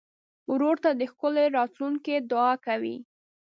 ورور ته د ښه راتلونکي دعا کوې.